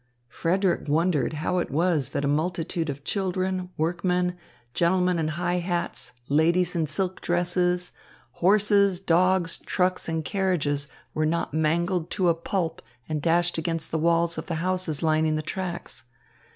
Frederick wondered how it was that a multitude of children, workmen, gentlemen in high hats, ladies in silk dresses, horses, dogs, trucks, and carriages were not mangled to a pulp and dashed against the walls of the houses lining the tracks.